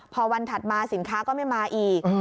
พอวันถัดมาสินค้าก็ไม่มาอีก